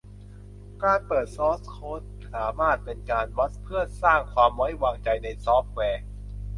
การเปิดซอร์สโค้ดสามารถเป็นการวัดเพื่อสร้างความไว้วางใจในซอฟต์แวร์